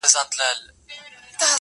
موږ ته یې کیسه په زمزمو کي رسېدلې ده!